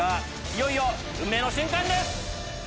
いよいよ運命の瞬間です！